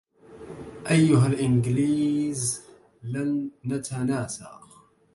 أيها الانكليز لن نتناسى